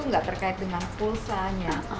nggak terkait dengan pulsanya